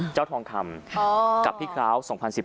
เจ้าทองคำกับพี่คาว๒๐๑๘